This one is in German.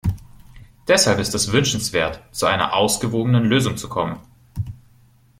Deshalb ist es wünschenswert, zu einer ausgewogenen Lösung zu kommen.